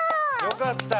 よかった。